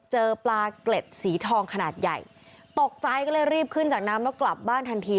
เจอปลาเกล็ดสีทองขนาดใหญ่ตกใจก็เลยรีบขึ้นจากน้ำแล้วกลับบ้านทันที